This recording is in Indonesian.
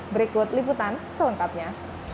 berikut liputan selengkapnya